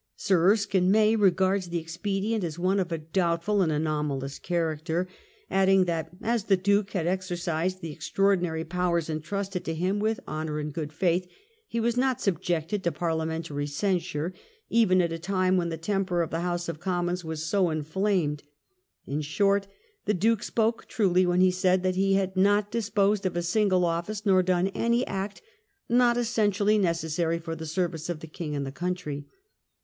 Sir Erskine May regards the expedient as one of a " doubtful and anomalous character," adding that "as the Duke had exercised the extraordinary powers entrusted to him with honour and good faith," he was not subjected to parliamentary censure, even at a time when the temper of the House of Commons was so inflamed. In short, the Duke spoke truly when he said that he had not disposed of a single office, nor done any act "not essentially necessary for the service of the King and the country."